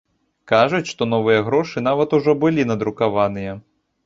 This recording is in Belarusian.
Кажуць, што новыя грошы нават ужо былі надрукаваныя.